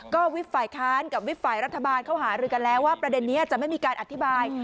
ก็วิบฝ่ายค้านกับวิบฝ่ายรัฐบาลเขาหารือกันแล้วว่าประเด็นนี้จะไม่มีการอธิบาย